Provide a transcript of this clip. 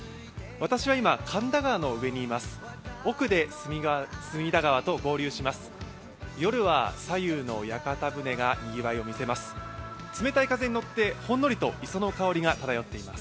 私は今、神田川の上にいます。